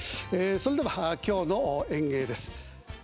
それでは今日の演芸です。